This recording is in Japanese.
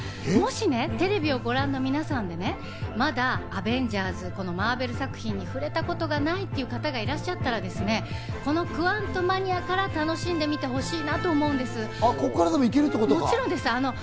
もしね、テレビをご覧の皆さんでね、まだ『アベンジャーズ』、マーベル作品に触れたことがないという方がいらっしゃったらですね、この『クワントマニア』から楽しんでみてほしいなと思うんです。